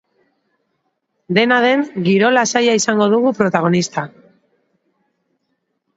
Dena den, giro lasaia izango dugu protagonista.